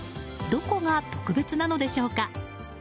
どこが特別なのでしょうか。